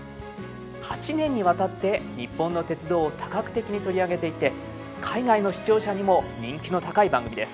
８年にわたって日本の鉄道を多角的に取り上げていて海外の視聴者にも人気の高い番組です。